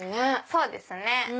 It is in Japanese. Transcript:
そうですね。